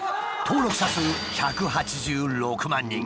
登録者数１８６万人。